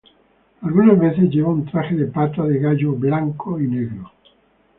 Algunas veces lleva un traje de pata de gallo blanco y negro.